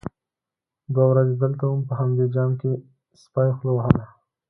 _دوې ورځې دلته وم، په همدې جام کې سپي خوله وهله.